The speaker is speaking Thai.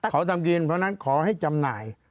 เขาทำกินเพราะฉะนั้นขอให้จำหน่าย